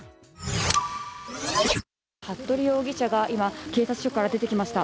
服部容疑者が今、警察署から出てきました。